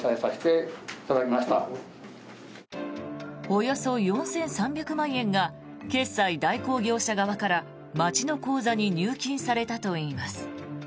およそ４３００万円が決済代行業者側から町の口座に入金されたといいます。